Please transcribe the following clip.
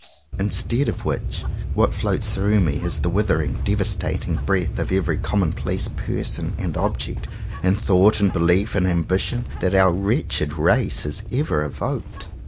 Instead of which, what floats through me is the withering, devastating breath of every commonplace person, and object, and thought, and belief, and ambi tion, that our wretched race has ever evoked.